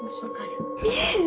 見えへん！